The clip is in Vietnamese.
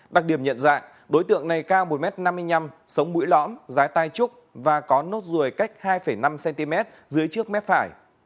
đặc điểm nhận dạng đối tượng này cao một m năm mươi năm sống mũi lõm dài tai trúc và có nốt ruồi cách hai năm cm dưới trước mép phải